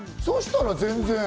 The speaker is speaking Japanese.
そしたら全然。